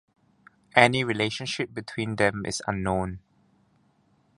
Any relationship between them is unknown.